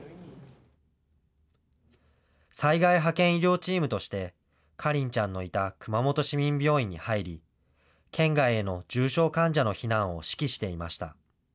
災害派遣医療チームとして、花梨ちゃんのいた熊本市民病院に入り、県外への重症患者の避難を指揮していました。